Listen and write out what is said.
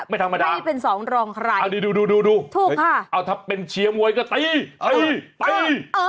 ไม่ธรรมดาไม่เป็นสองรองใครถูกค่ะเอาถ้าเป็นเชียร์มวยก็ตะอี้ตะอี้ตะอี้